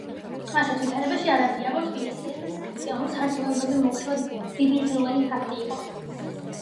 ასეთ ვითარებაში არაბი აბო თბილელის ქრისტიანულ სარწმუნოებაზე მოქცევა დიდმნიშვნელოვანი ფაქტი იყო.